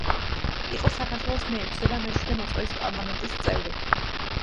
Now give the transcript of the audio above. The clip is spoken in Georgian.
იყო საქართველოს მეექვსე და მეშვიდე მოწვევის პარლამენტის წევრი.